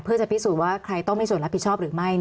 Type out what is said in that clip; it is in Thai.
เพื่อจะพิสูจน์ว่าใครต้องมีส่วนรับผิดชอบหรือไม่